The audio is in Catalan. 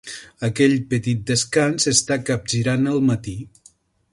Aquell petit descans està capgirant el matí.